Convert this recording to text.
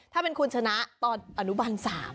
ถ้าเป็นคุณชนะตอนอนุบาล๓